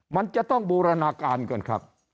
มันจะต้องบูรณาการกันครับ